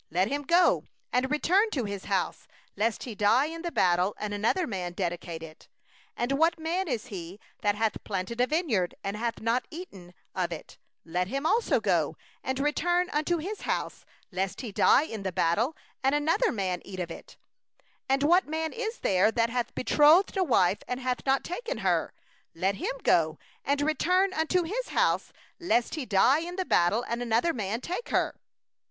let him go and return to his house, lest he die in the battle, and another man dedicate it. 6And what man is there that hath planted a vineyard, and hath not used the fruit thereof? let him go and return unto his house, lest he die in the battle, and another man use the fruit thereof. 7And what man is there that hath betrothed a wife, and hath not taken her? let him go and return unto his house, lest he die in the battle, and another man take her.